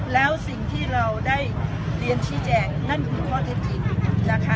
แล้วสิ่งที่เราได้เรียนชี้แจงนั่นคือข้อเท็จจริงนะคะ